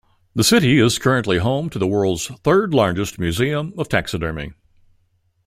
The city is currently home to the world's third largest museum of taxidermy.